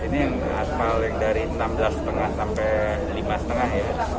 ini asfal yang dari enam belas lima sampai lima lima ya